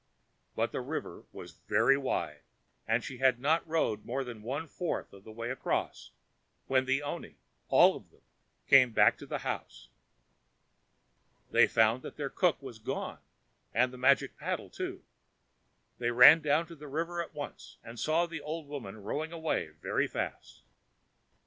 But the river was very wide, and she had not rowed more than one fourth of the way across when the oni, all of them, came back to the house. They found that their cook was gone, and the magic paddle, too. They ran down to the river at once, and saw the old woman rowing away very fast.